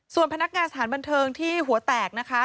ส่วนพนักงานสถานบันเทิงที่หัวแตกนะคะ